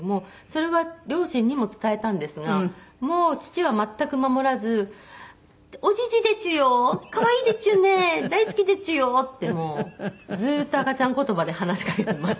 それは両親にも伝えたんですがもう父は全く守らず「おじじでちゅよ可愛いでちゅね。大好きでちゅよ」ってもうずっと赤ちゃん言葉で話しかけてます。